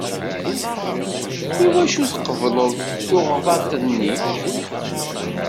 Iwacu tqebleḍ tuɣdaṭ-nni?